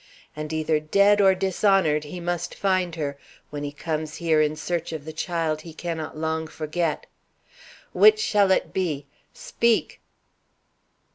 And either dead or dishonored he must find her, when he comes here in search of the child he cannot long forget. Which shall it be? Speak!"